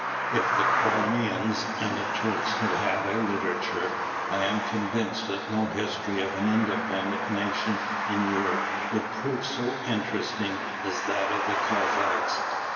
If the Crimeans and the Turks had had a literature I am convinced that no history of an independent nation in Europe would prove so interesting as that of the Cossacks."